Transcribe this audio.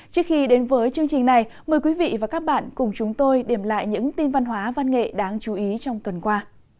trước khi đến với chương trình này mời quý vị và các bạn cùng chúng tôi điểm lại những tin văn hóa văn nghệ đáng chú ý trong tuần qua